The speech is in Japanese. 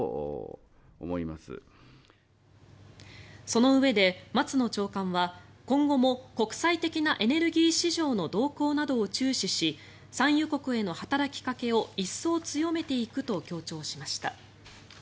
そのうえで松野長官は今後も国際的なエネルギー市場の動向などを注視し産油国への働きかけを一層強めていくと強調しました。